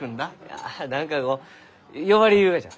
あ何かこう呼ばれゆうがじゃ。